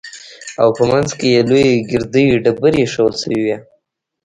او په منځ کښې يې لويې ګردې ډبرې ايښوول سوې وې.